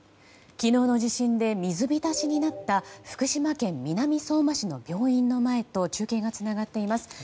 昨日の地震で水浸しになった福島県南相馬市の病院の前と中継がつながっています。